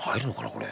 これ。